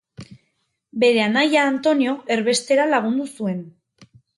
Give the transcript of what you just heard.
Bere anaia Antonio erbestera lagundu zuen.